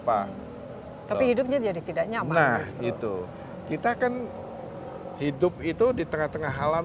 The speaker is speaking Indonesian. pagi pagi tupai itu puluhan